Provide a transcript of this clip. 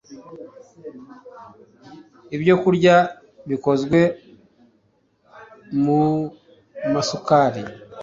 Ibyokurya bikozwe mu masukari